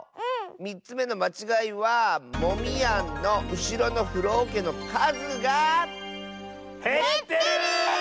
３つめのまちがいはモミヤンのうしろのふろおけのかずが。へってる！